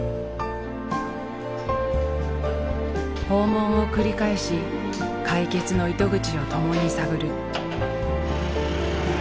訪問を繰り返し解決の糸口を共に探る。